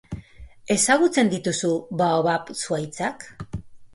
Ezagutzen dituzu baobab zuhaitzak?